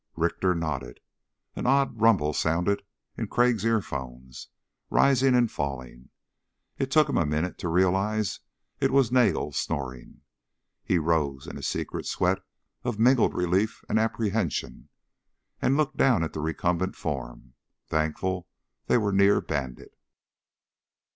Richter nodded. An odd rumble sounded in Crag's earphones, rising and falling. It took him a moment to realize it was Nagel snoring. He rose, in a secret sweat of mingled relief and apprehension, and looked down at the recumbent form, thankful they were near Bandit.